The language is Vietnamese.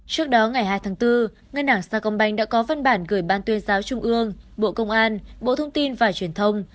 trước đó ngày hai tháng bốn ngân hàng sacombank đã có văn bản gửi ban tuyên giáo trung ương bộ công an bộ thông tin và truyền thông